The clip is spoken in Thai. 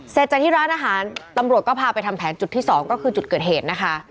เสร็จจากที่ร้านอาหารตำรวจก็พาไปทำแผนจุดที่๒ก็คือจุดเกิดเหตุนะคะ